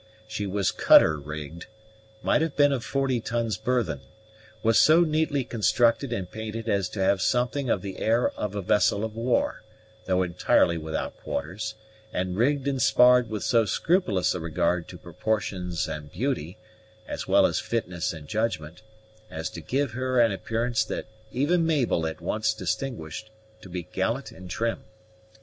She was cutter rigged, might have been of forty tons burthen, was so neatly constructed and painted as to have something of the air of a vessel of war, though entirely without quarters, and rigged and sparred with so scrupulous a regard to proportions and beauty, as well as fitness and judgment, as to give her an appearance that even Mabel at once distinguished to be gallant and trim.